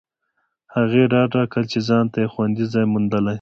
هغې ډاډ راکړ چې ځانته یې خوندي ځای موندلی دی